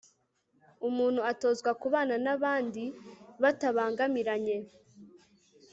umuntu atozwa kubana n'abandi batabangamiranye